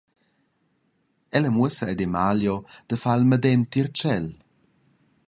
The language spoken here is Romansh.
El muossa ad Emalio da far il medem tier tschel.